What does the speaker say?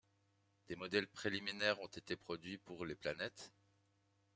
Des modèles préliminaires ont été produits pour les planètes...??